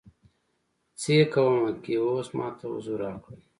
څې کومه کې اوس ماته حضور راکړی